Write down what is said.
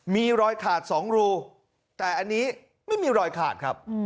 มีรอยขาด๒รูแต่อันนี้ไม่มีรอยขาดครับ